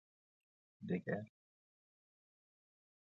دگر